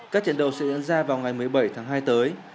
các trận đấu sẽ diễn ra vào ngày một mươi bảy tháng hai tới